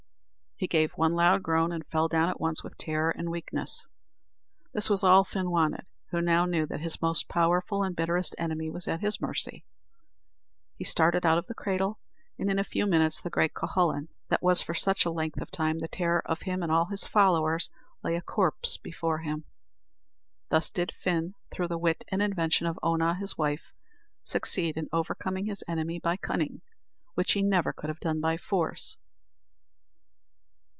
He gave one loud groan, and fell down at once with terror and weakness. This was all Fin wanted, who now knew that his most powerful and bitterest enemy was at his mercy. He started out of the cradle, and in a few minutes the great Cuhullin, that was for such a length of time the terror of him and all his followers, lay a corpse before him. Thus did Fin, through the wit and invention of Oonagh, his wife, succeed in overcoming his enemy by cunning, which he never could have done by force.